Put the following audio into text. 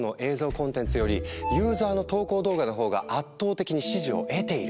コンテンツよりユーザーの投稿動画の方が圧倒的に支持を得ている。